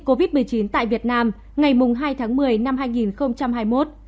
covid một mươi chín tại việt nam ngày hai tháng một mươi năm hai nghìn hai mươi một